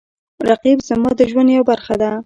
رقیب زما د ژوند یوه برخه ده